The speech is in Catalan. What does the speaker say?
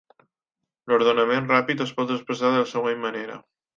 L'ordenament ràpid es pot expressar de la següent manera.